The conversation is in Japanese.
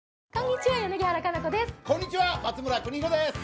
こんにちは、松村邦洋です。